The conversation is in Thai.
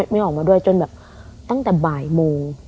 ไม่ออกมาด้วยจนแบบตั้งแต่บ่ายโมง